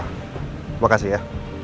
terima kasih ya